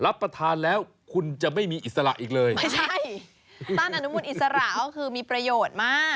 รับประทานแล้วคุณจะไม่มีอิสระอีกเลยไม่ใช่ต้านอนุมูลอิสระก็คือมีประโยชน์มาก